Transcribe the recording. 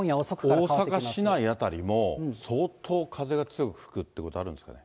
大阪市内辺りも、相当風が強く吹くということあるんですかね。